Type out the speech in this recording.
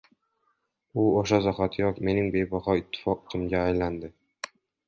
u o‘sha zahotiyoq mening bebaho ittifoqchimga aylanadi.